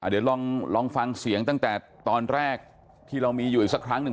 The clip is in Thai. เดี๋ยวลองฟังเสียงตั้งแต่ตอนแรกที่เรามีอยู่อีกสักครั้งหนึ่ง